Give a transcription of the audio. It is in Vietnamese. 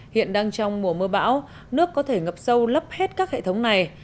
hiện đang trong mùa mưa bão nước có thể ngập sâu lấp hết các hệ thống này